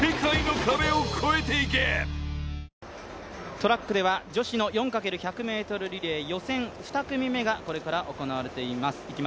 トラックでは女子の４×１００ｍリレー、予選２組目がこれから行われていきます。